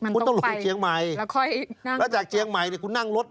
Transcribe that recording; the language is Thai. คุณต้องลงเชียงใหม่แล้วจากเชียงใหม่เนี่ยคุณนั่งรถ